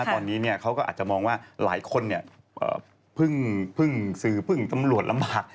ตอนนี้เขาก็อาจจะมองว่าหลายคนเพิ่งสื่อพึ่งตำรวจลำบาก